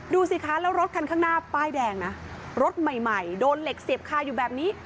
ดูสิคะแล้วรถคันข้างหน้าป้ายแดงนะรถใหม่ใหม่โดนเหล็กเสียบคาอยู่แบบนี้